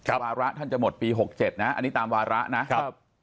วาระท่านจะหมดปี๖๗นะอันนี้ตามวาระนะครับ